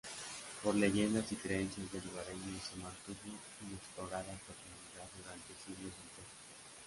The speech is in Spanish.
Por leyendas y creencias de lugareños, se mantuvo inexplorada en profundidad durante siglos enteros.